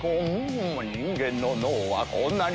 人間の脳はこんなに。